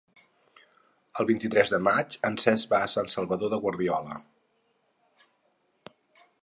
El vint-i-tres de maig en Cesc va a Sant Salvador de Guardiola.